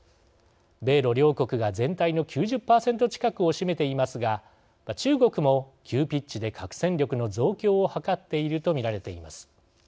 米ロ両国が全体の９０％近くを占めていますが中国も急ピッチで核戦力の増強を図っていると見られています。